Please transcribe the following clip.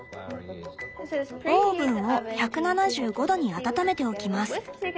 「オーブンを１７５℃に温めておきます。